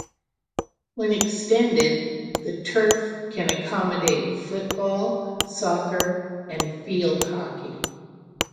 When extended, the turf can accommodate football, soccer, and field hockey.